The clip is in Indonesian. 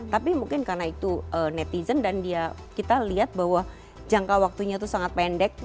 tapi mungkin karena itu netizen dan dia kita lihat bahwa jangka waktunya itu sangat pendek